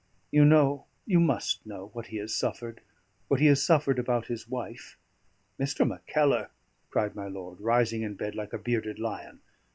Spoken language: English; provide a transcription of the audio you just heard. "You know you must know what he has suffered what he has suffered about his wife." "Mr. Mackellar!" cried my lord, rising in bed like a bearded lion.